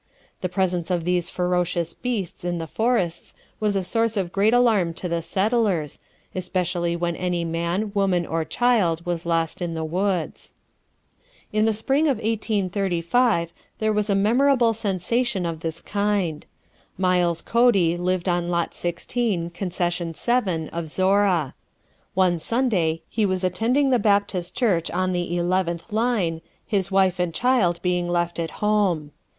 The presence of these ferocious beasts in the forests was the source of great alarm to the settlers, especially when any man, woman or child was lost in the woods. In the spring of 1835 there was a memorable sensation of this kind. Miles Cody lived on lot 16, concession 7, of Zorra. One Sunday he was attending the Baptist Church on the 11th line, his wife and child being left at home.